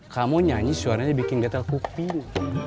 kamu nyanyi suaranya bikin getel kuping